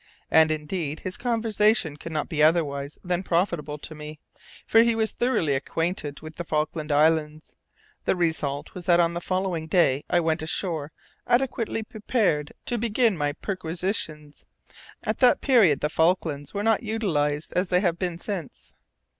And, indeed, his conversation could not be otherwise than profitable to me, for he was thoroughly acquainted with the Falkland Islands. The result was that on the following day I went ashore adequately prepared to begin my perquisitions. At that period the Falklands were not utilized as they have been since.